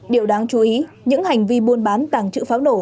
điều đáng chú ý những hành vi buôn bán tàng trữ pháo nổ